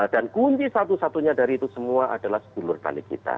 dan kunci satu satunya dari itu semua adalah sebulur tani kita